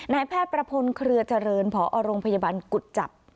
นายแพทย์ประพลเครือเจริญพอโรงพยาบาลกุจจับ